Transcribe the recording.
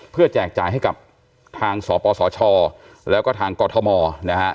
เพื่อแจกจ่ายให้กับทางสปสชแล้วก็ทางกมนะครับ